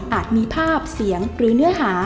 มีภาพเสียงหรือเนื้อหา